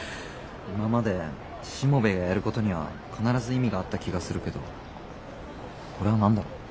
今までしもべえがやることには必ず意味があった気がするけどこれは何だろ？